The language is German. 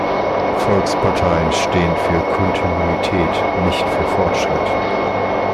Volksparteien stehen für Kontinuität, nicht für Fortschritt.